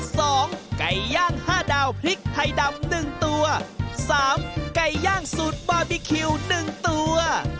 ไก่ย่างห้าดาวพริกไทยดำหนึ่งตัวสามไก่ย่างสูตรบาร์บีคิวหนึ่งตัว